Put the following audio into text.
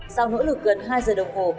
sau nỗ lực gần hai giờ đồng hồ